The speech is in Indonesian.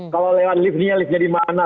kalau lewat liftnya liftnya dimana